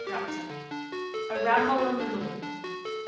Baker. A RAMBLE ON THE MOON.